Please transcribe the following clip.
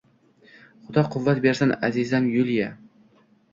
Xudo quvvat bersin, azizam Yuliya!..